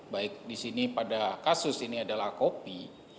baik di sini pada kasus ini adalah kopi